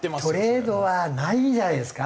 トレードはないんじゃないですか？